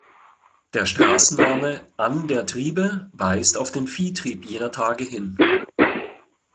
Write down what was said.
Der Straßenname „An der Triebe“ weist auf den Viehtrieb jener Tage hin.